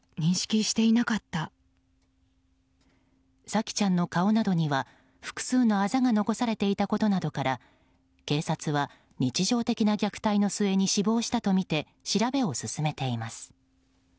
沙季ちゃんの顔などには複数のあざが残されていたことなどから警察は日常的な虐待の末に死亡したとみて調べを進めています。